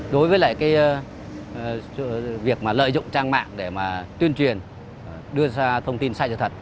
đối với việc lợi dụng trang mạng để tuyên truyền đưa ra thông tin sai cho thật